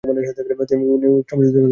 উনি উঞ্ছবৃত্তি করতে আসেন কেন?